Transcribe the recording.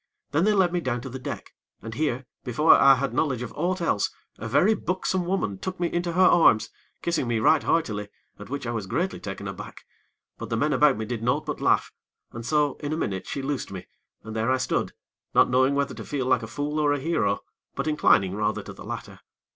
Then they led me down to the deck, and here, before I had knowledge of aught else, a very buxom woman took me into her arms, kissing me right heartily, at which I was greatly taken aback; but the men about me did naught but laugh, and so, in a minute, she loosed me, and there I stood, not knowing whether to feel like a fool or a hero; but inclining rather to the latter.